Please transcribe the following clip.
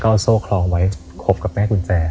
เอาโซ่คลองไว้คบกับแม่กุญแจ